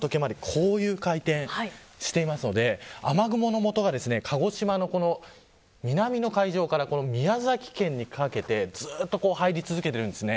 こういう回転をしていますので雨雲の元が鹿児島の南の海上から宮崎県にかけてずっと入り続けているんです。